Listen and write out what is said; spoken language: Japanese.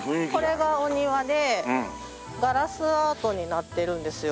これがお庭でガラスアートになってるんですよ。